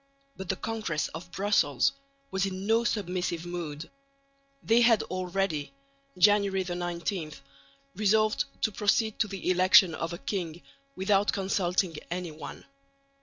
But the Congress of Brussels was in no submissive mood. They had already (January 19) resolved to proceed to the election of a king without consulting anyone.